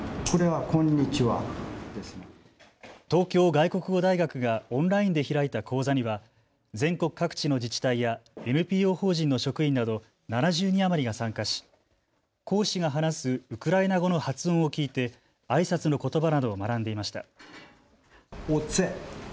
東京外国語大学がオンラインで開いた講座には全国各地の自治体やＮＰＯ法人の職員など７０人余りが参加し講師が話すウクライナ語の発音を聞いてあいさつのことばなどを学んでいました。